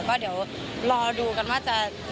ก็เดี๋ยวรอดูกันว่าจะ